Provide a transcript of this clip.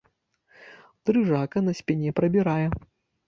Дрыжака па спіне прабірае.